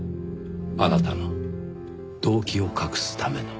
あなたの動機を隠すための。